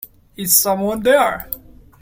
Is someone there?